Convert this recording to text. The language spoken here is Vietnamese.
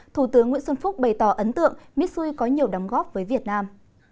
thủ tướng nguyễn xuân phúc bày tỏ ấn tượng mitsui có nhiều đóng góp với việt nam